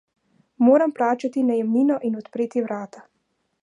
Moram plačati najemnino in odpreti vrata.